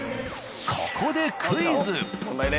ここでクイズ。